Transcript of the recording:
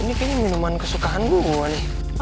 ini kayaknya minuman kesukaan gue gak nih